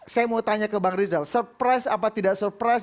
saya mau tanya ke bang rizal surprise apa tidak surprise